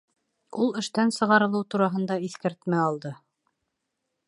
Ул эштән сығарылыу тураһында иҫкәртмә алды